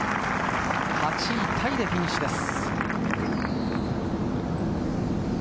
８位タイでフィニッシュです。